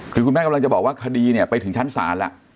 คือคุณแม่กำลังจะบอกว่าคดีเนี่ยไปถึงชั้นศาลแล้ว